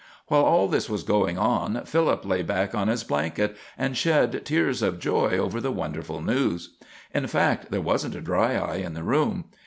While all this was going on, Philip lay back on his blanket and shed tears of joy over the wonderful news. In fact, there wasn't a dry eye in the room.